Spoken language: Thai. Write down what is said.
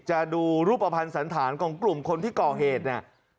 จะดูรูปภัณฑ์สันธารของกลุ่มคนที่ก่อเหตุเนี่ย